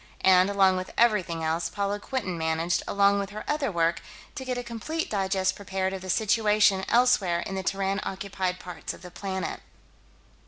And, along with everything else, Paula Quinton managed, along with her other work, to get a complete digest prepared of the situation elsewhere in the Terran occupied parts of the planet.